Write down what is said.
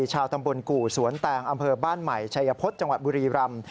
ชาวตำบลกู่สวนแตงอำเภอบ้านใหม่ชัยพฤษจังหวัดบุรีรำ